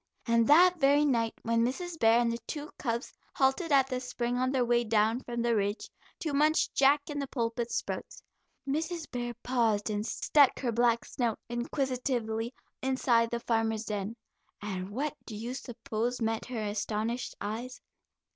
And that very night when Mrs. Bear and the two cubs halted at the spring on their way down from the Ridge, to munch jack in the pulpit sprouts, Mrs. Bear paused and stuck her black snout inquisitively inside the farmer's den, and what do you suppose met her astonished eyes?